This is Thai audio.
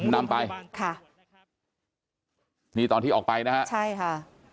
นำไปค่ะนี่ตอนที่ออกไปนะฮะใช่ค่ะ